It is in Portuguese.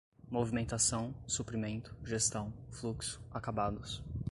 movimentação, suprimento, gestão, fluxo, acabados